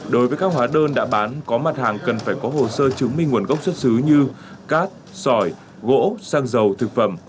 đối với các hóa đơn đã bán có mặt hàng cần phải có hồ sơ chứng minh nguồn gốc xuất xứ như cát sỏi gỗ xăng dầu thực phẩm